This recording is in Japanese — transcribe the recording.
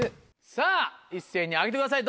さぁ一斉に上げてください